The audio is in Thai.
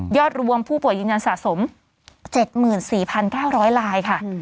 รวมผู้ป่วยยืนยันสะสม๗๔๙๐๐ลายค่ะ